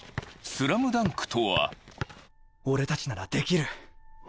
『スラムダンク』とは宮城リョータ：俺たちならできる。